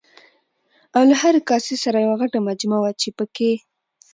او له هرې کاسې سره یوه غټه مجمه وه چې پکې